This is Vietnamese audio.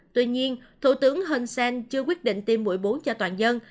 tuy nhiên thủ tướng hun sen chưa quyết định tiêm mũi bốn cho toàn dân